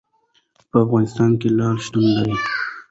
په افغانستان کې لعل شتون لري.